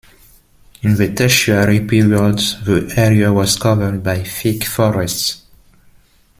In the Tertiary period the area was covered by thick forests.